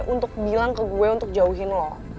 untuk bilang ke gue untuk jauhin lo